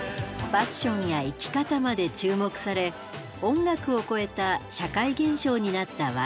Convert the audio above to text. ファッションや生き方まで注目され音楽を超えた社会現象になったＹＭＯ。